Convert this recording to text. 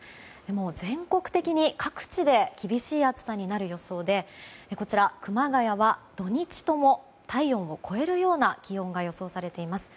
全国的に各地で厳しい暑さになる予想で熊谷は土日とも体温を超えるような気温が予想されています。